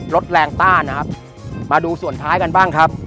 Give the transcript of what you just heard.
ลดแรงต้านนะครับมาดูส่วนท้ายกันบ้างครับ